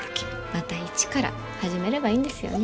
また一から始めればいいんですよね。